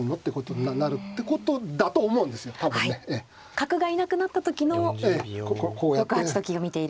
角がいなくなった時の６八と金を見ていると。